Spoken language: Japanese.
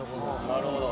なるほど。